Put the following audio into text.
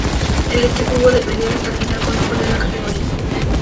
El equipo hubo de pelear hasta el final por no perder la categoría.